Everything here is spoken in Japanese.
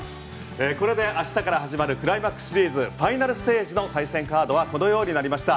これで明日から始まるクライマックスシリーズファイナルステージの対戦カードはこのようになりました。